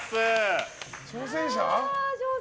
挑戦者。